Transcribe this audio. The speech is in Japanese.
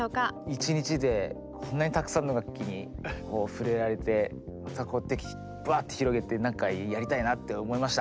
１日でこんなにたくさんの楽器に触れられてまたこうやってバッて広げてなんかやりたいなって思いました。